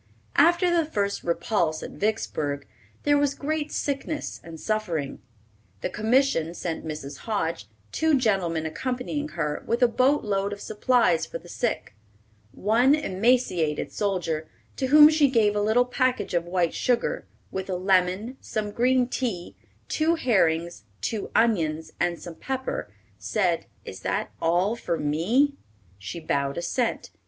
After the first repulse at Vicksburg, there was great sickness and suffering. The Commission sent Mrs. Hoge, two gentlemen accompanying her, with a boat load of supplies for the sick. One emaciated soldier, to whom she gave a little package of white sugar, with a lemon, some green tea, two herrings, two onions, and some pepper, said, "Is that all for me?" She bowed assent.